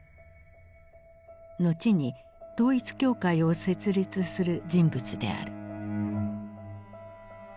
後に統一教会を設立する人物である。